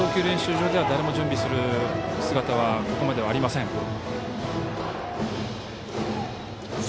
練習場では誰も準備する姿はここまではありません。